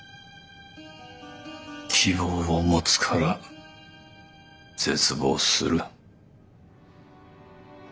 希望を持つから絶望する。